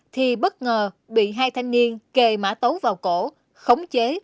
thì bất ngờ bị hai thanh niên kề mã tấu vào cổ khống chế